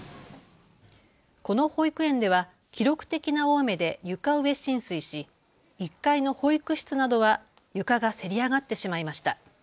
この保育園では記録的な大雨で床上浸水し、１階の保育室などは床がせり上がってしまいました。